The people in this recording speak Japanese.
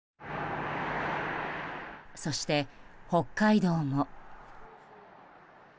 そして、北海道も。